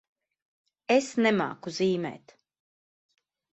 Es nemāku zīmēt.